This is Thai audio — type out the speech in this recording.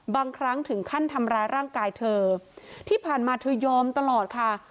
บางครั้งถึงขั้นทำร้ายร่างกายเธอที่ผ่านมาเธอยอมตลอดค่ะ